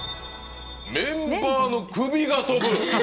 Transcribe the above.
「メンバーの首が飛ぶ」。